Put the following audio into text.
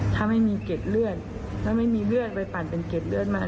ถ้าไม่มีเก็ดเลือดถ้าไม่มีเลือดไปปั่นเป็นเก็ดเลือดมา